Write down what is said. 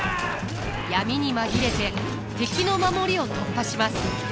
闇に紛れて敵の守りを突破します。